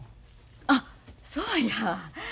あっそうや。